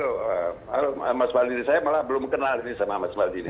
halo mas maldini saya malah belum kenal ini sama mas maldini